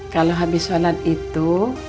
kalau habis shalat itu